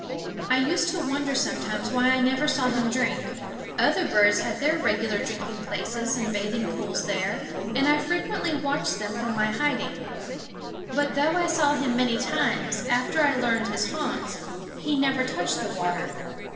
I used to wonder sometimes why I never saw him drink. Other birds had their regular drinking places and bathing pools there, and I frequently watched them from my hiding; but though I saw him many times, after I learned his haunts, he never touched the water.